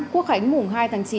quốc khánh mùng hai tháng chín